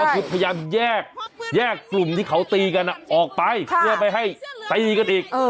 ก็คือพยายามแยกกลุ่มที่เขาตีกันออกไปเพื่อไม่ให้ตีกันอีก